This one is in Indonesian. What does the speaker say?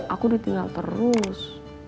aku ditinggal terus